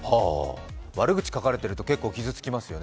悪口書かれていると結構傷つきますよね。